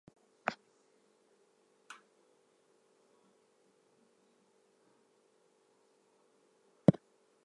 The name is thought to have originally been spelled "Pryce" and pronounced "Preese".